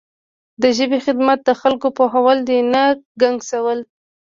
د ژبې خدمت د خلکو پوهول دي نه ګنګسول.